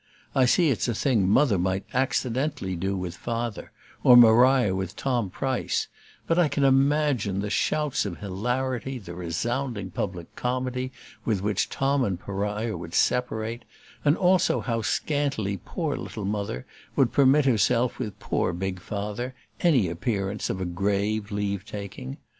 I see it's a thing Mother might accidentally do with Father, or Maria with Tom Price; but I can imagine the shouts of hilarity, the resounding public comedy, with which Tom and Maria would separate; and also how scantly poor little Mother would permit herself with poor big Father any appearance of a grave leave taking.